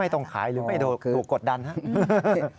ไม่ต้องขายหรือไม่โดนกดดันครับ